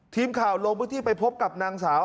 ทีมข่าวโรงพยาบาลประชาไปพบกับนางสาว